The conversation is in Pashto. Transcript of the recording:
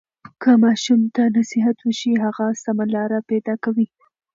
که ماشوم ته نصیحت وشي، هغه سمه لاره پیدا کوي.